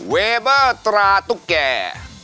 เวเบอร์ตราตุ๊กแก่